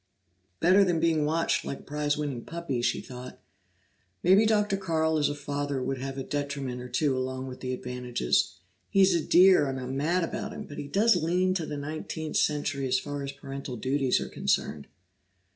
"Better than being watched like a prize winning puppy," she thought. "Maybe Dr. Carl as a father would have a detriment or two along with the advantages. He's a dear, and I'm mad about him, but he does lean to the nineteenth century as far as parental duties are concerned."